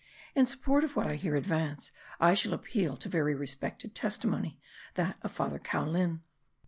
In support of what I here advance, I shall appeal to very respectable testimony, that of Father Caulin.